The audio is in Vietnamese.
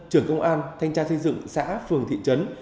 trưởng công an thanh tra xây dựng xã phường thị trấn